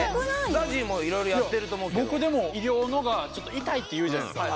ＺＡＺＹも色々やってると思うけどいや僕でも医療のがちょっと痛いっていうじゃないですか